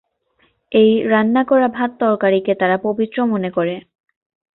এই রান্না করা ভাত-তরকারীকে তারা পবিত্র মনে করে।